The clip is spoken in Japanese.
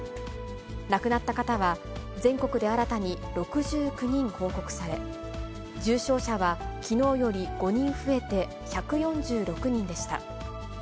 亡くなった方は、全国で新たに６９人報告され、重症者はきのうより５人増えて、１４６人でした。